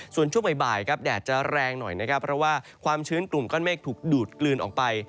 ส่วนช่วงบ่ายครับแดดจะแรงหน่อยนะครับเพราะว่าความชื้นกลุ่มก้อนเมฆถูกดูดกลืนออกไป